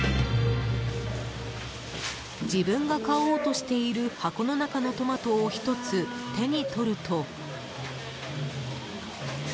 自分が買おうとしている箱の中のトマトを１つ手に取ると。